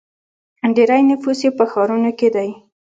ډیری نفوس یې په ښارونو کې دی.